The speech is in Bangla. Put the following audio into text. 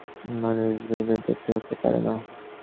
মানুষ বিত্তদ্বারা তৃপ্ত হইতে পারে না।